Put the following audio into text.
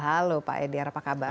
halo pak edir apa kabar